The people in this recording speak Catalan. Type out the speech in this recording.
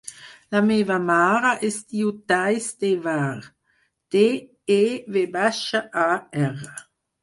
La meva mare es diu Thaís Tevar: te, e, ve baixa, a, erra.